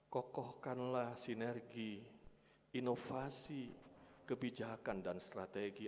kokohkanlah sinergi inovasi kebijakan dan strategi